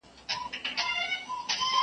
ویل یې شپې به دي د مصر له زندانه نه ځي .